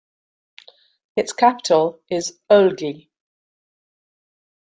Its capital is Ölgii.